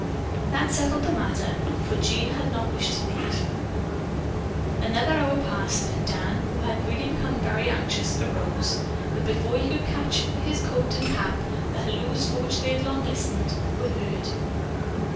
That settled the matter, for Jean had not wished to leave. Another hour passed, and Dan, who had really become very anxious, arose, but before he could get his coat and cap, the halloos for which they had long listened were heard.